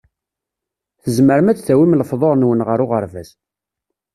Tzemrem ad d-tawim lefḍur-nwen ɣer uɣerbaz.